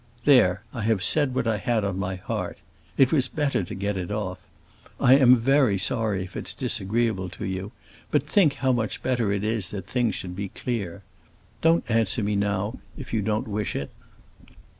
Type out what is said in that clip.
There, I have said what I had on my heart! It was better to get it off. I am very sorry if it's disagreeable to you; but think how much better it is that things should be clear. Don't answer me now, if you don't wish it.